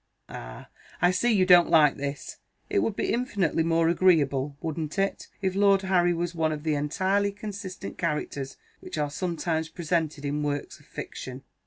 Ah, I see you don't like this. It would be infinitely more agreeable (wouldn't it?) if Lord Harry was one of the entirely consistent characters which are sometimes presented in works of fiction.